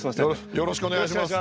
よろしくお願いします。